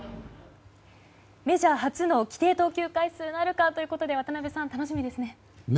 メジャー初の規定投球回数なるかということで渡辺さん、楽しみですね。